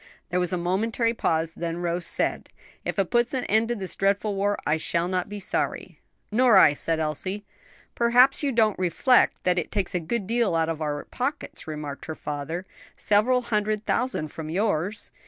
There was a momentary pause: then Rose said, "If it puts an end to this dreadful war, I shall not be sorry." "Nor I," said Elsie. "Perhaps you don't reflect that it takes a good deal out of our pockets," remarked her father. "Several hundred thousand from yours."